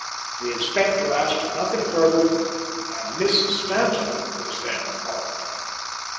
The Inspector asked her nothing further, and Miss Stanton was then called.